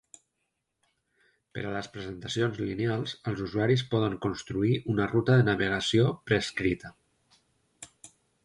Per a les presentacions lineals, els usuaris poden construir una ruta de navegació prescrita.